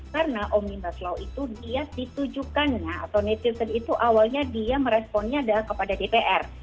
karena omnibus law itu dia ditujukannya atau netizen itu awalnya dia meresponnya kepada dpr